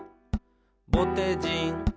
「ぼてじん」